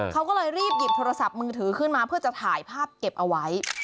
เขาก็เลยรีบหยิบโทรศัพท์มือถือขึ้นมาเพื่อจะถ่ายภาพเก็บเอาไว้